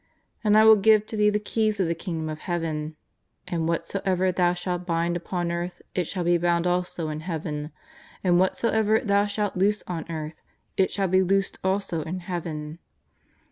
And I will give to thee the keys of the Kingdom of Heaven, and whatsoever thou shalt bind upon earth it shall be bound also in Heaven, and what soever thou shalt loose on earth it shall be loosed also in Heaven."